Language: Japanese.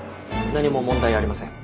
何も問題ありません。